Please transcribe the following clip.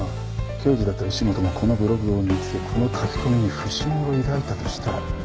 刑事だった石本もこのブログを見つけこの書き込みに不審を抱いたとしたら。